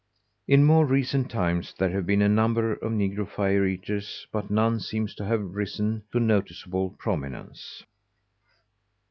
In more recent times there have been a number of Negro fire eaters, but none seems to have risen to noticeable prominence.